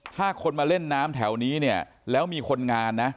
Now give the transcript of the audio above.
ถ้าคนมาเล่นน้ำแถวนี้เนี่ยแล้วมีคนงานนะ